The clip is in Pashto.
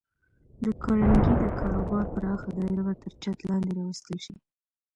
د کارنګي د کاروبار پراخه دایره به تر چت لاندې راوستل شي